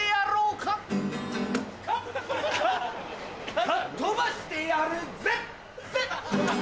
かっ飛ばしてやるぜ！ぜ！